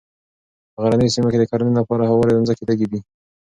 په غرنیو سیمو کې د کرنې لپاره هوارې مځکې لږې دي.